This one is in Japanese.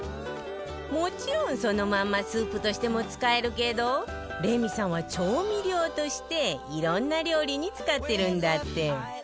もちろんそのまんまスープとしても使えるけどレミさんは調味料としていろんな料理に使ってるんだって